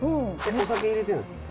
お酒入れてるんですね。